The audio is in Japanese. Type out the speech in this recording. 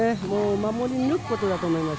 守り抜くことだと思います。